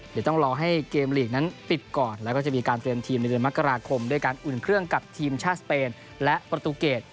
เดี๋ยวต้องรอให้เกมลีกนั้นปิดก่อนแล้วก็จะมีการเตรียมทีมในเดือนมกราคมด้วยการอุ่นเครื่องกับทีมชาติสเปนและประตูเกรด